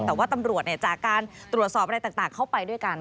แต่ว่าตำรวจจากการตรวจสอบอะไรต่างเข้าไปด้วยกัน